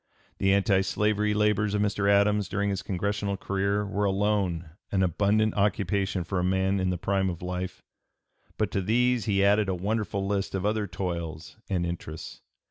The anti slavery labors of Mr. Adams during his Congressional career were alone an abundant occupation for a man in the prime of life; but to these he added a wonderful list of other toils and interests.